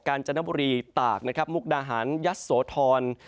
จนบุรีตากนะครับมุกดาหารยัดโสธร